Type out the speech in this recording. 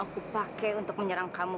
yang akan aku pakai untuk menyerang kamu